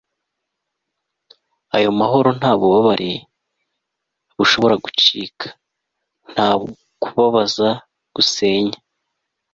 ayo mahoro nta bubabare bushobora gucika, nta kubabaza gusenya